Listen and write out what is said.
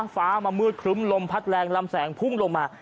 ฟ้ามามืดครึ้มลมพัดแรงลำแสงพุ่งลงมา